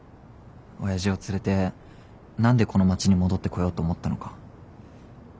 親父を連れて何でこの町に戻ってこようと思ったのか。